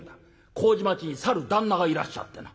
麹町にさる旦那がいらっしゃってな」。